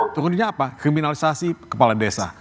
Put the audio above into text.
turunnya apa kriminalisasi kepala desa